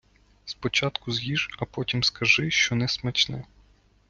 Спочатку з'їж, а потім кажи, що несмачне.